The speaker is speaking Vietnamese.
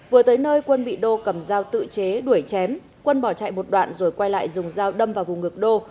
vừa tới nơi quân bị đô cầm dao tự chế đuổi chém quân bỏ chạy một đoạn rồi quay lại dùng dao đâm vào vùng ngược đô